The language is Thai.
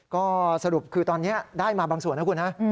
ก็สรุปคือตอนนี้ได้มาบางส่วนนะคุณนะ